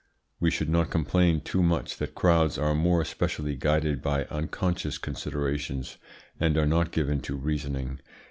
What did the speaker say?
We should not complain too much that crowds are more especially guided by unconscious considerations and are not given to reasoning.